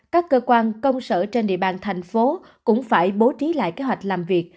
các cơ quan công sở trên địa bàn thành phố cũng phải bố trí lại kế hoạch làm việc